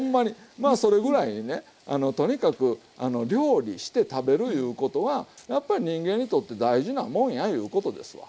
まあそれぐらいにねとにかく料理して食べるいうことはやっぱり人間にとって大事なもんやいうことですわ。